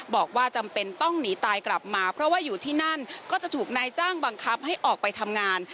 บอกว่าจำเป็นต้องหนีตายกลับมาเพราะว่าอยู่ที่นั่นก็จะถูกนายจ้างบังคับให้ออกไปทำงาน